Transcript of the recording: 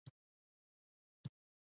خوړل باید په څه ډول وشي؟